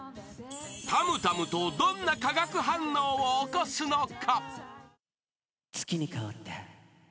［たむたむとどんな化学反応を起こすのか？］